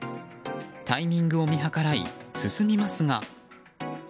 タイミングを見計らい進みますが。